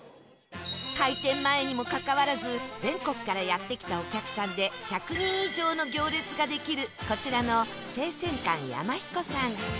開店前にもかかわらず全国からやって来たお客さんで１００人以上の行列ができるこちらの生鮮館やまひこさん